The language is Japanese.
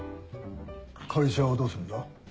会社はどうするんだ？